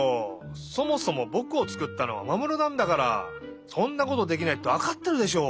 そもそもぼくをつくったのはマモルなんだからそんなことできないってわかってるでしょ！